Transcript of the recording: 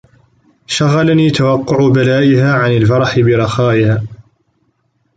شَغَلَنِي تَوَقُّعُ بَلَائِهَا عَنْ الْفَرَحِ بِرَخَائِهَا